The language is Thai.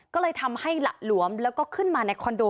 ก็เลยทำให้หละหลวมแล้วก็ขึ้นมาในคอนโด